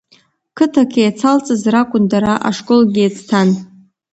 Қыҭак еицалҵыз ракәын дара, ашколгьы еицҭан.